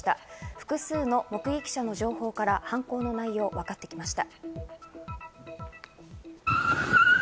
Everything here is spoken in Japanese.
複数の目撃者の情報から犯行の内容が分かってきました。